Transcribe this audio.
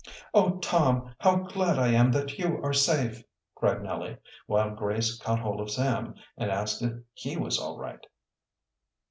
"Oh, Tom, how glad I am that you are safe!" cried Nellie, while Grace caught hold of Sam and asked if he was all right.